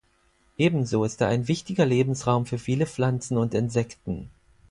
Ebenso ist er ein wichtiger Lebensraum für viele Pflanzen und Insekten.